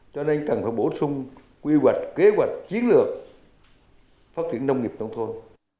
cho nên cần phải bổ sung quy hoạch kế hoạch chiến lược phát triển nông nghiệp nông thôn